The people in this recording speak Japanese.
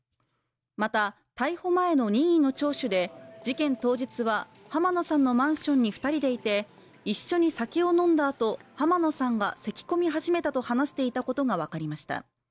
また、逮捕前の任意の聴取で、事件当日は濱野さんのマンションに２人でいて一緒に酒を飲んだあと、濱野さんが咳き込み始めたと話していたことが分かりました。